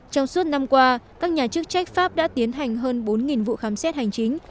trong suốt năm qua các nhà chức trách pháp đã tiến hành hơn bốn vụ khám xét hành chính